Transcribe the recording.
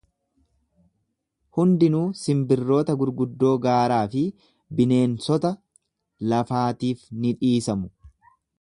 Hundinuu simbiroota gurguddoo gaaraa fi bineensota lafaatiif ni dhiisamu.